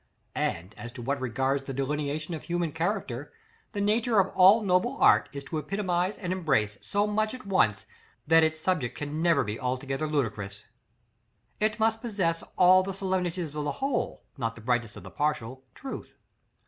And, as to what regards the delineation of human character, the nature of all noble art is to epitomize and embrace so much at once, that its subject can never be altogether ludicrous; it must possess all the solemnities of the whole, not the brightness of the partial, truth.